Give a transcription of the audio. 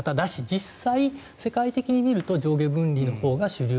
実際、世界的に見ると上下分離のほうが主流。